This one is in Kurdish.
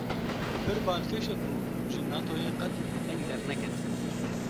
Pir balkêşe ku ji Natoyê qet deng derneket